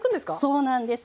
そうなんですか。